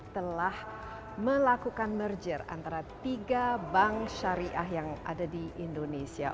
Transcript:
telah melakukan merger antara tiga bank syariah yang ada di indonesia